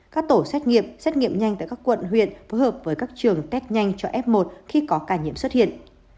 các tổ xét nghiệm xét nghiệm nhanh tại các quận huyện phù hợp với các trường test nhanh cho f một khi có ca nhiễm xuất hiện